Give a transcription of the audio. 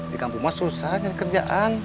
di kampung mah susah nyari kerjaan